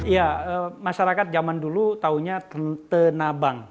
ya masyarakat zaman dulu tahunya tenabang